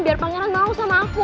biar pangeran mau sama aku